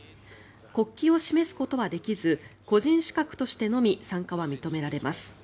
国旗を示すことはできず個人資格としてのみ参加は認められます。